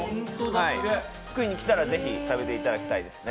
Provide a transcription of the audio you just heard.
福井に来たらぜひ食べていただきたいですね。